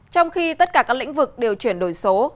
trong khi tất cả các lĩnh vực đều chuyển đổi số